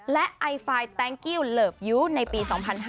และไอไฟล์แต้งกิวเลิฟยูในปี๒๕๕๗